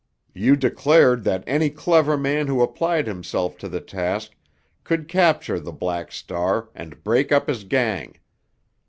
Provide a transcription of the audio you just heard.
You declared that any clever man who applied himself to the task could capture the Black Star and break up his gang.